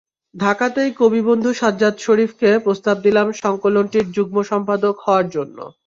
ঢাকাতেই কবিবন্ধু সাজ্জাদ শরিফকে প্রস্তাব দিলাম সংকলনটির যুগ্ম সম্পাদক হওয়ার জন্য।